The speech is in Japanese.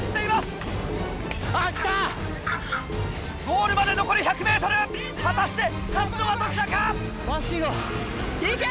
ゴールまで残り１００ｍ果たして勝つのはどちらか⁉わっしー号。